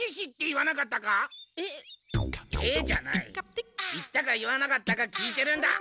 言ったか言わなかったか聞いてるんだ！